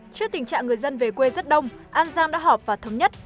trước tình trạng người dân về quê rất đông an giang đã họp và thống nhất